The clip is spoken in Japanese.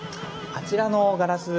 あちらのガラス